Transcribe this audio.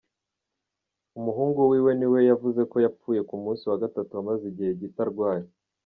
Umuhungu wiwe niwe yavuze ko yapfuye ku munsi wa gatatu amaze igihe gito arwaye.